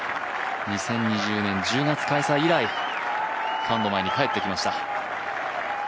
２０２０年１０月開催以来、ファンの前に帰ってきました。